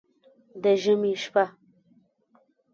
د ژمي شپه